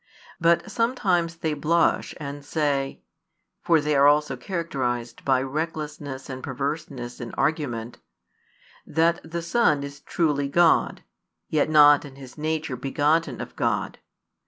But sometimes they blush, and say for they are also characterised by recklessness and perverseness in argument that the Son is truly God, yet not in His nature begotten of God.